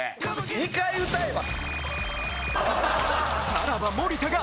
２回歌えば。